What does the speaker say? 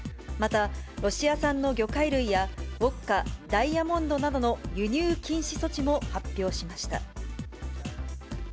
また、ロシア産の魚介類や、ウオッカ、ダイヤモンドなどの輸入禁止措置も発表しました。